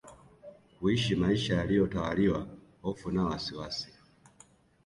kuishi maisha yaliyo tawaliwa hofu na wasiwasi